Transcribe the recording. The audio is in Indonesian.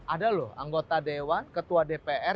ada loh anggota dewan ketua dpr